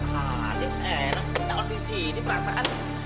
kita audisi ini perasaan